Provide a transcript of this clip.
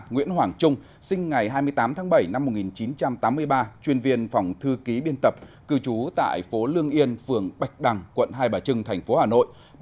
ba nguyễn hoàng trung sinh ngày hai mươi tám tháng bảy năm một nghìn chín trăm tám mươi ba chuyên viên phòng thư ký biên tập cư trú tại phố lương yên phường bạch đằng quận hai bà trưng tp hà nội